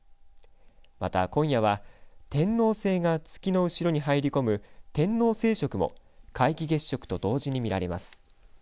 また、今夜は天王星が月の後ろに入り込む天王星食も皆既月食と同時に見られます。